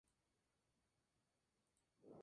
Se encuentra sólo en Russia.